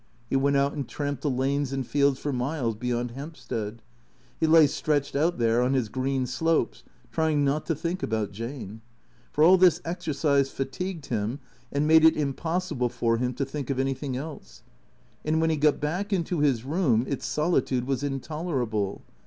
He went out and tramped the lanes and fields for miles beyond Hampstead. He lay stretched out there on his green slopes, trying not to think about Jane. For all this exercise fatigued him, and made it impossible for him to think of any thing else. And when he got back into his room its solitude was intolerable.